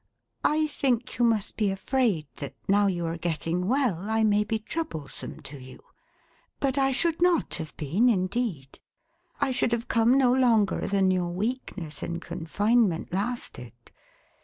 I think you must be afraid,~that, now you are getting well, I may be troublesome to you; but I should not have been, indeed. I should have come no longer than your weakness and confinement lasted.